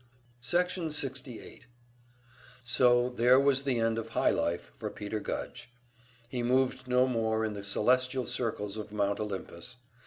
Section 68 So there was the end of high life for Peter Gudge. He moved no more in the celestial circles of Mount Olympus.